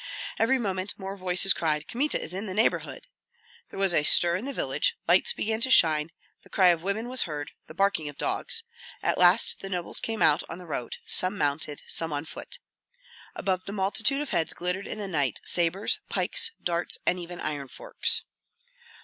Every moment more voices cried, "Kmita is in the neighborhood!" There was a stir in the village, lights began to shine, the cry of women was heard, the barking of dogs. At last the nobles came out on the road, some mounted, some on foot. Above the multitude of heads glittered in the night sabres, pikes, darts, and even iron forks.